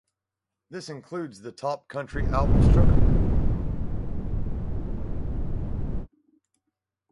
This includes the Top Country Albums chart.